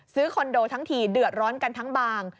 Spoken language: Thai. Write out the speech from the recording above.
คอนโดทั้งทีเดือดร้อนกันทั้งบาง